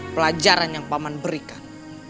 pelajaran yang paman berikan